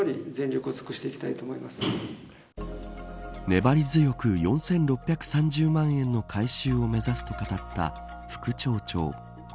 粘り強く４６３０万円の回収を目指すと語った副町長。